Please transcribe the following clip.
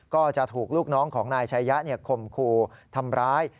ก็จะถูกลูกน้องของนายชายะคมครูทำร้าย